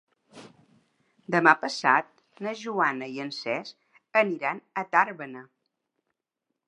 Demà passat na Joana i en Cesc aniran a Tàrbena.